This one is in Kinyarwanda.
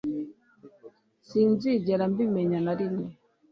sinzigera mbimenya na rimwe